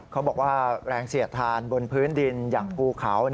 เขาบอกว่าแรงเสียดทานบนพื้นดินอย่างภูเขา